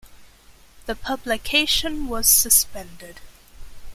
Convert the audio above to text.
The publication was suspended.